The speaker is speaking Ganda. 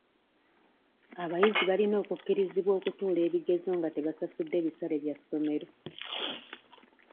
Abayizi balina okukkirizibwa okutuula ebigezo nga tebasasudde bisale bya ssomero.